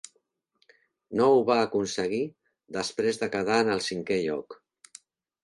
No ho va aconseguir, després de quedar en el cinquè lloc.